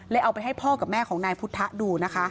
เอาไปให้พ่อกับแม่ของนายพุทธะดูนะคะ